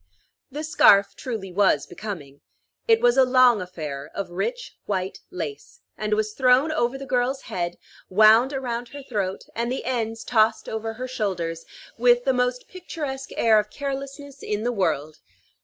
The scarf truly was becoming. It was a long affair of rich white lace, and was thrown over the girl's head, wound around her throat, and the ends tossed over her shoulders, with the most picturesque air of carelessness in the world.